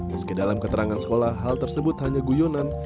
meski dalam keterangan sekolah hal tersebut hanya guyonan